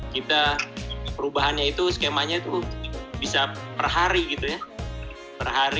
kita perubahannya itu skemanya itu bisa perhari gitu ya